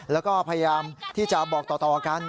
แล้วก็พยายามที่จะบอกต่อกัน